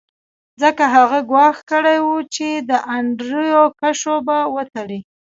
ځکه هغه ګواښ کړی و چې د انډریو کشو به وتړي